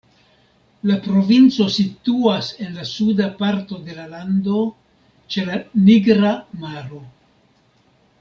La provinco situas en la suda parto de la lando, ĉe la Nigra Maro.